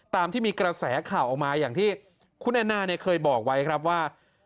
ตามที่มีกระแสข่าวออกมาอย่างที่คุณแอนนาเนี่ยเคยบอกไว้ครับว่า